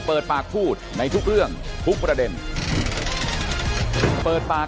ขอบคุณครับทางรัฐมดรีครับ